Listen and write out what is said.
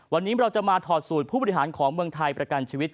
วันนี้เราจะมาถอดสูตรผู้บริหารของเมืองไทยประกันชีวิต